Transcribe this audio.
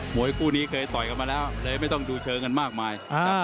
วยคู่นี้เคยต่อยกันมาแล้วเลยไม่ต้องดูเชิงกันมากมาย